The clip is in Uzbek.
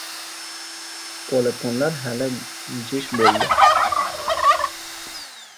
Polaponlar hali jish bo‘ldi!